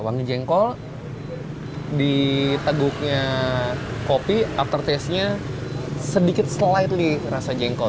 wangi jengkol di teguknya kopi aftertaste nya sedikit slightly rasa jengkol